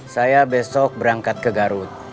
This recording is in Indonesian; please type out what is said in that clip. saya besok berangkat ke garut